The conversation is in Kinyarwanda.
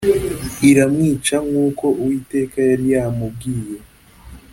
iramwica nk’uko Uwiteka yari yamubwiye